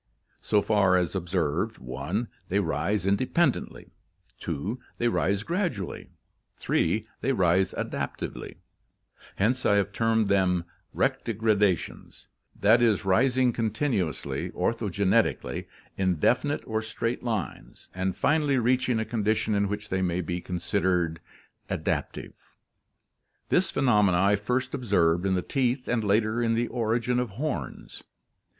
So far as observed: (1) they rise independently, (2) they rise gradually, (3) they rise adaptively; hence I have termed them 'rectigradations/ *. e., rising continuously, ortho geneticaUy [italics mine], in definite or straight lines, and finally reaching a condition in which they may be considered adaptive. This phenomenon I first observed in the teeth and later in the origin of horns.